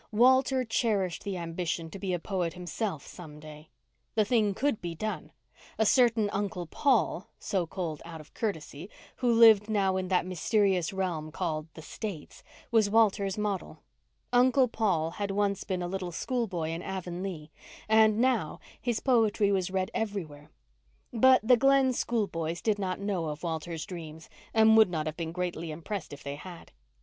Walter cherished the ambition to be a poet himself some day. The thing could be done. A certain Uncle Paul—so called out of courtesy—who lived now in that mysterious realm called "the States," was Walter's model. Uncle Paul had once been a little school boy in Avonlea and now his poetry was read everywhere. But the Glen schoolboys did not know of Walter's dreams and would not have been greatly impressed if they had.